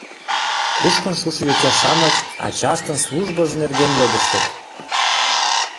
Кушкын шушо йоча-шамыч ачаштын службыж нерген йодыштыт.